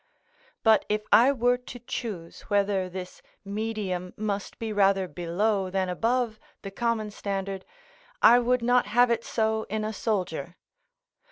But if I were to choose whether this medium must be rather below than above the common standard, I would not have it so in a soldier.